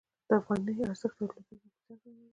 د افغانۍ ارزښت رالوېدل زموږ په زیان تمامیږي.